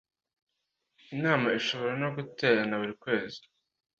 inama ishobora no guterana buri kwezi .